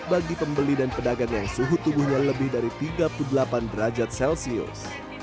bagi pembeli dan pedagang yang suhu tubuhnya lebih dari tiga puluh delapan derajat celcius